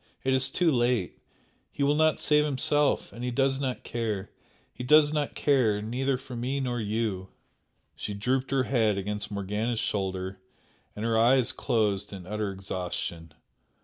it is too late! He will not save himself and he does not care, he does not care neither for me nor you!" She drooped her head against Morgana's shoulder and her eyes closed in utter exhaustion.